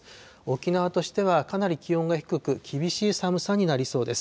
沖縄としてはかなり気温が低く、厳しい寒さになりそうです。